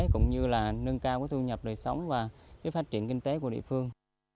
cũng như là nâng cao cái thu nhập đời sống và cái phát triển kinh tế của địa phương